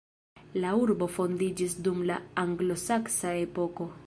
La urbo fondiĝis dum la anglosaksa epoko.